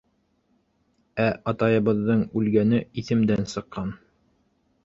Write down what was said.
Ә атайыбыҙҙың үлгәне иҫемдән сыҡҡан.